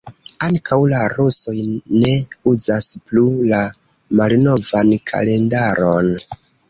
Ankaŭ la rusoj ne uzas plu la malnovan kalendaron.